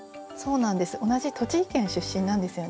同じ栃木県出身なんですよね。